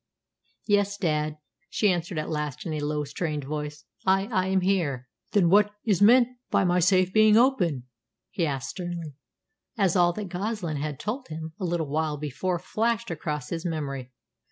"Yes, dad," she answered at last, in a low, strained voice, "I I am here." "Then what is meant by my safe being open?" he asked sternly, as all that Goslin had told him a little while before flashed across his memory.